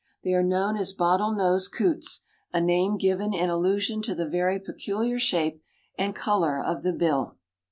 They are known as Bottle nosed Coots, a name given in allusion to the very peculiar shape and color of the bill."